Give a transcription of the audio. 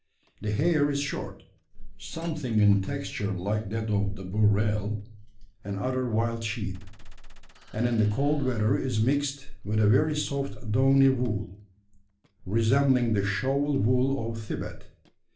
The hair is short, something in texture like that of the burrell and other wild sheep; and in the cold weather is mixed with a very soft downy wool, resembling the shawl wool of Thibet.